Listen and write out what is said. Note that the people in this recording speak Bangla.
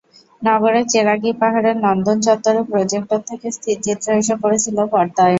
নগরের চেরাগি পাহাড়ের নন্দন চত্বরে প্রোজেক্টর থেকে স্থিরচিত্র এসে পড়ছিল পর্দায়।